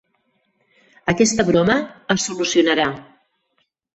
Aquesta broma es solucionarà.